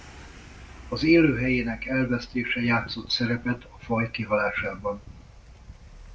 Az élőhelyének elvesztése játszott szerepet a faj kihalásában.